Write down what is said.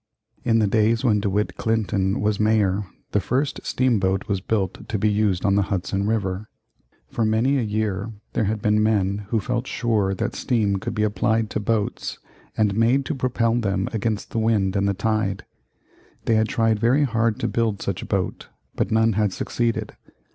In the days when De Witt Clinton was Mayor the first steam boat was built to be used on the Hudson River. For many a year there had been men who felt sure that steam could be applied to boats and made to propel them against the wind and the tide. They had tried very hard to build such a boat but none had succeeded.